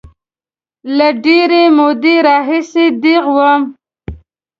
له ډېرې مودې راهیسې دیغ وم.